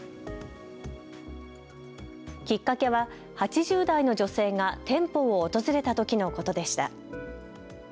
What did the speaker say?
きっかけは８０代の女性が店舗を訪れたときのことでした。